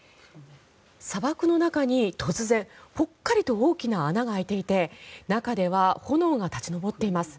砂漠の中に突然、ぽっかりと大きな穴が開いていて中では炎が立ち上っています。